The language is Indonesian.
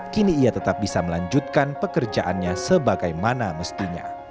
kini ia tetap bisa melanjutkan pekerjaannya sebagaimana mestinya